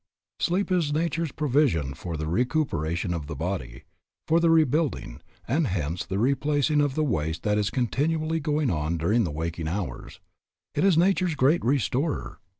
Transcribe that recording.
Sleep is nature's provision for the recuperation of the body, for the rebuilding and hence the replacing of the waste that is continually going on during the waking hours. It is nature's great restorer.